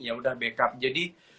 yaudah back up jadi